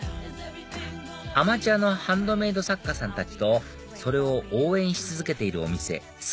アマチュアのハンドメード作家さんたちとそれを応援し続けているお店素